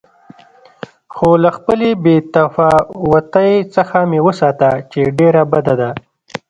خو له خپلې بې تفاوتۍ څخه مې وساته چې ډېره بده ده.